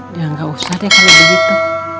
ya gak usah teh kalau begitu